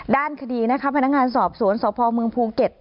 ด้านคดีนะคะพนักงานสอบสวนสพเมืองภูเก็ต